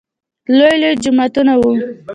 لوى لوى جوماتونه وو.